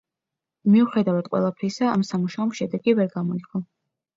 მიუხედავად ყველაფრისა ამ სამუშაომ შედეგი ვერ გამოიღო.